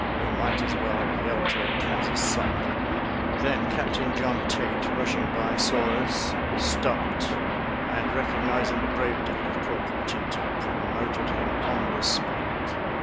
We might as well have yelled to a Kansas cyclone. Then Captain John Tait, rushing by, saw us, stopped, and, recognizing the brave deed of Corporal Teter, promoted him on the spot.